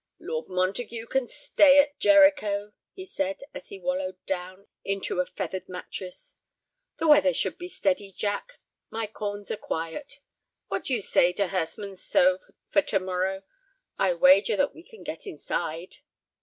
"Lord Montague can stay at Jericho," he said, as he wallowed down into a feathered mattress. "The weather should be steady, Jack—my corns are quiet. What do you say to Hurstmonceux for to morrow. I wager that we can get inside."